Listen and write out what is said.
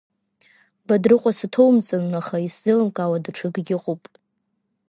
Бадрыҟәа саҭоумҵан, аха исзеилымкаауа даҽакгьы ыҟоуп!